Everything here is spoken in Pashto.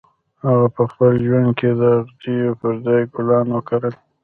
هغه په خپل ژوند کې د اغزیو پر ځای ګلان وکرل